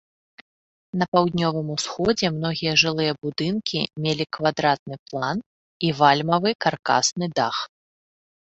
На паўднёвым усходзе многія жылыя будынкі мелі квадратны план і вальмавы каркасны дах.